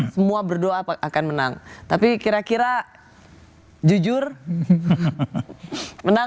semua berdoa akan menang tapi kira kira jujur menang